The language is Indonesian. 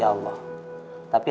kalau saya di di